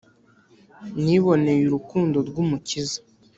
Niboney' urukundo rw'Umukiza.